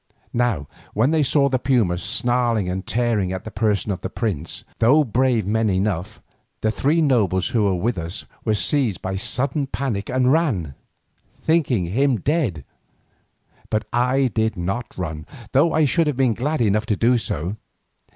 Now when they saw the puma snarling and tearing at the person of their prince, though brave men enough, the three nobles who were with us were seized by sudden panic and ran, thinking him dead. But I did not run, though I should have been glad enough to do so.